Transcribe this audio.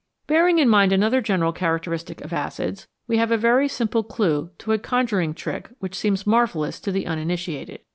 Bearing in mind another general characteristic of acids, we have a very simple clue to a conjuring trick which seems marvellous to the uninitiated.